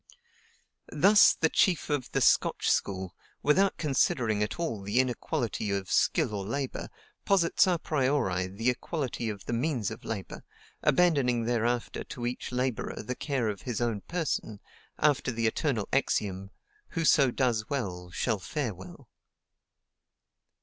Thus the chief of the Scotch school, without considering at all the inequality of skill or labor, posits a priori the equality of the means of labor, abandoning thereafter to each laborer the care of his own person, after the eternal axiom: WHOSO DOES WELL, SHALL FARE WELL.